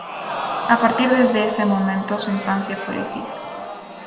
A partir desde ese momento, su infancia fue difícil.